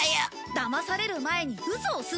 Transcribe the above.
だまされる前にウソを吸ってやる！